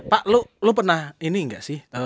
pak lo pernah ini enggak sih